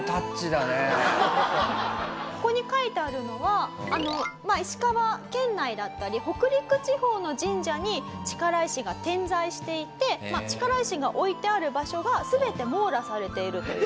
ここに書いてあるのは石川県内だったり北陸地方の神社に力石が点在していて力石が置いてある場所が全て網羅されているという。